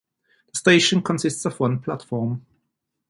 The station consists of one platform.